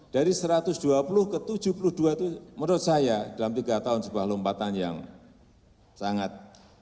dari satu ratus dua puluh ke tujuh puluh dua itu menurut saya dalam tiga tahun sebuah lompatan yang sangat